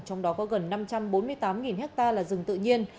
trong đó có gần năm trăm bốn mươi tám ha là rừng tự nhiên